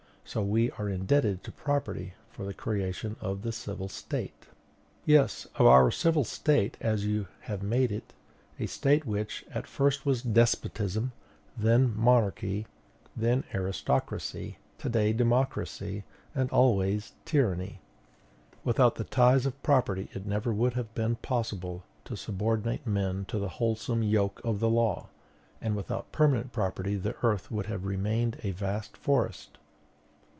So we are indebted to property for the creation of the civil State." Yes, of our civil State, as you have made it; a State which, at first, was despotism, then monarchy, then aristocracy, today democracy, and always tyranny. "Without the ties of property it never would have been possible to subordinate men to the wholesome yoke of the law; and without permanent property the earth would have remained a vast forest.